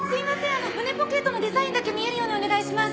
あの胸ポケットのデザインだけ見えるようにお願いします。